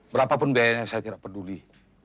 berapa pun biayanya saya tidak peduli